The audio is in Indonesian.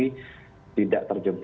pada kepentingan tersebut